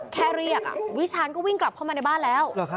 แค่เรียกวิชาณก็วิ่งกลับเข้ามาในบ้านแล้ว